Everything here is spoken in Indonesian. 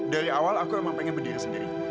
dari awal aku memang pengen berdiri sendiri